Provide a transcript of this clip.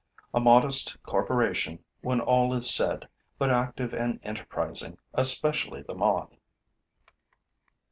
A modest corporation, when all is said, but active and enterprising, especially the moth.